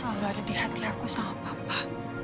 mama akan selalu ada di hatiku sama papa